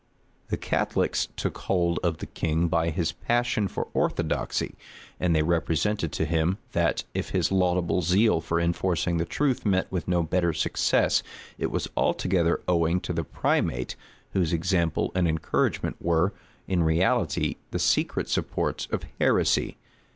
The Catholics took hold of the king by his passion for orthodoxy; and they represented to him, that, if his laudable zeal for enforcing the truth met with no better success, it was altogether owing to the primate, whose example and encouragement were, in reality, the secret supports of heresy.